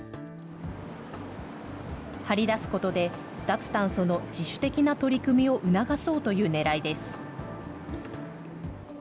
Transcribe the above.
貼り出すことで、脱炭素の自主的な取り組みを促そうというねらいです。